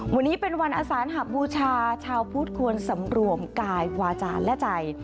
วันนี้เป็นวันอสานหบูชาชาวพุทธควรสำรวมกายวาจารและใจ